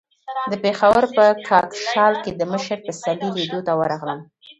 د پېښور په کاکشال کې د مشر پسرلي لیدو ته ورغلم.